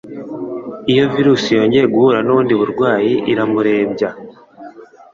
iyo virusi yongeye guhura nubundi burwayi iramurembya